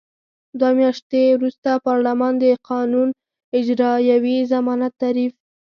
دوه میاشتې وروسته پارلمان د قانون اجرايوي ضمانت تعریف.